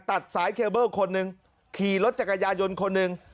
ตัดสายเคเบิ้ลคนหนึ่งขี่รถจักรยายนคนหนึ่ง